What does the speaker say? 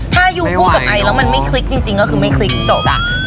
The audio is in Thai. ถ้ายูพูดกับไอแล้วมันไม่คลิกจริงก็คือไม่คลิกจบ